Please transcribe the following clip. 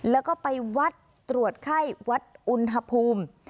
แล้วก็ไปวัดตรวจไข้วัดอุณหภูมิ